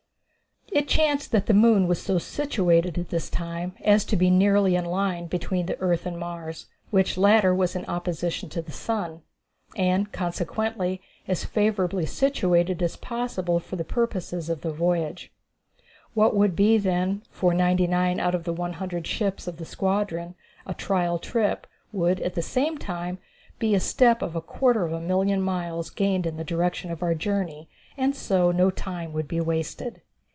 It chanced that the moon was so situated at this time as to be nearly in a line between the earth and Mars, which latter was in opposition to the sun, and consequently as favorably situated as possible for the purposes of the voyage. What would be, then, for 99 out of the 100 ships of the squadron, a trial trip would at the same time be a step of a quarter of a million of miles gained in the direction of our journey, and so no time would be wasted.